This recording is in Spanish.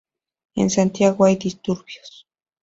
En Santiago hay disturbios.